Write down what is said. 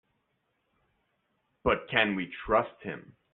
But can we trust him?